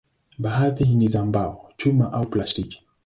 Baadhi ni za mbao, chuma au plastiki.